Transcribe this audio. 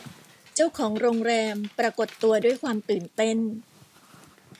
เจ้าของโรงแรมปรากฏตัวด้วยความตื่นเต้น